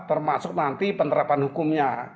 termasuk nanti penerapan hukumnya